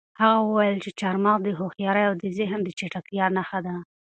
هغه وویل چې چهارمغز د هوښیارۍ او د ذهن د چټکتیا نښه ده.